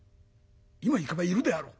今行けばいるであろう」。